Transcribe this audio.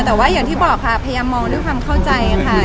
แต่ว่าอย่างที่บอกค่ะพยายามมองด้วยความเข้าใจค่ะ